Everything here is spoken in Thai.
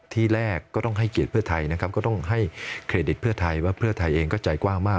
ที่แรกก็ต้องให้เกียรติเพื่อไทยนะครับก็ต้องให้เครดิตเพื่อไทยว่าเพื่อไทยเองก็ใจกว้างมาก